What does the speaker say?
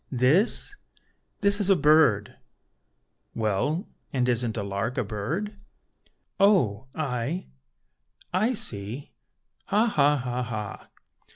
"This? This is a bird." "Well, and isn't a lark a bird?" "O, ay! I see! ha! ha! ha! ha!"